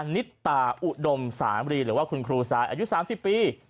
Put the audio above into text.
นิตาอุดมสามรีหรือว่าคุณครูซายอายุ๓๐ปี